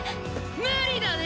無理だね！